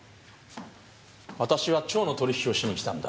私は蝶の取り引きをしに来たんだ。